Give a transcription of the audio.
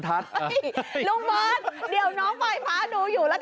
ขอต้อน